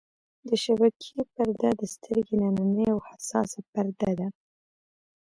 د شبکیې پرده د سترګې نننۍ او حساسه پرده ده.